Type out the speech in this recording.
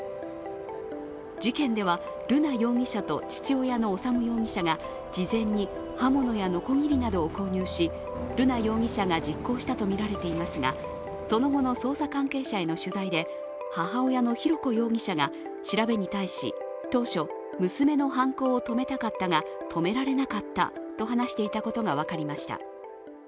事件では、瑠奈容疑者と父親の修容疑者が事前に刃物やのこぎりなどを購入し瑠奈容疑者が実行したとみられていますがその後の捜査関係者への取材で母親の浩子容疑者が調べに対し、当初、娘の犯行を止めたかったが、止められなかったと話していたことが分かりました。